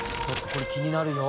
これ気になるよ。